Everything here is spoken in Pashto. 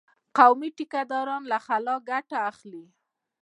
قومي ټيکه داران له خلا ګټه اخلي.